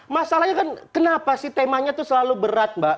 masalahnya kan kenapa sih temanya itu selalu berat mbak